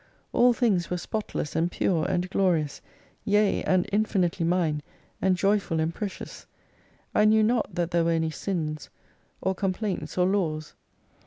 All things were spotless and pure and glorious : yea, and infinitely mine, and joyful and precious. I knew not that there were any sins, or complaints or laws.